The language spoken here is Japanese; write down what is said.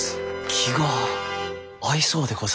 気が合いそうでござるなあ。